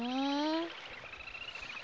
あ！